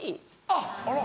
あっ！